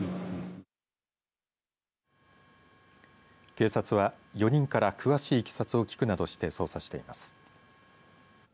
警察は４人から詳しいいきさつを聞くなどして捜査しています。